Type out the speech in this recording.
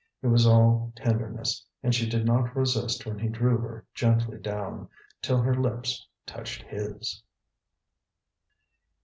It was all tenderness; and she did not resist when he drew her gently down, till her lips touched his.